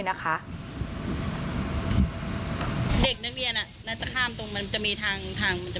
นะคะเด็กนักเรียนอ่ะน่าจะข้ามตรงมันจะมีทางทางมันจะ